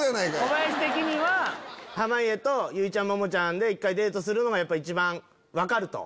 小林的には濱家とゆいちゃんももちゃんでデートするのが一番分かると？